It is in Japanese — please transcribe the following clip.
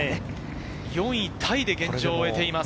４位タイで現状を終えています。